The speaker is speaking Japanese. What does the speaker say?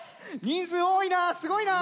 人数多いなすごいな！